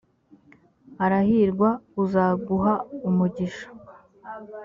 arahirwa uzaguha umugisha.